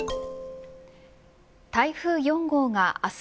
台風４号が明日